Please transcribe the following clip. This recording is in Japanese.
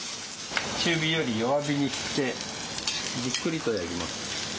中火より弱火にしてじっくりとやります。